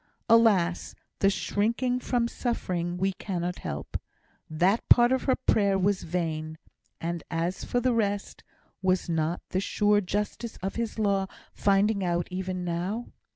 Alas! the shrinking from suffering we cannot help. That part of her prayer was vain. And as for the rest, was not the sure justice of His law finding her out even now?